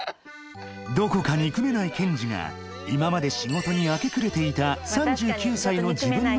どこか憎めない健二が今まで仕事に明け暮れていた３９歳の自分の